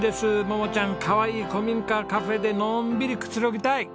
桃ちゃんかわいい古民家カフェでのんびりくつろぎたい。